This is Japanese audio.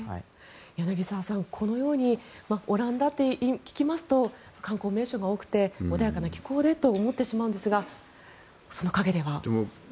柳澤さん、このようにオランダと聞きますと観光名所が多くて穏やかな気候でと思ってしまうんですがその陰では。